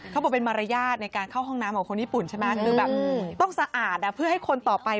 ตอนไปญี่ปุ่นสิ่งแรกที่